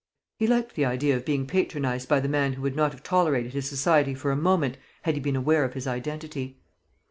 He liked the idea of being patronised by the man who would not have tolerated his society for a moment, had he been aware of his identity.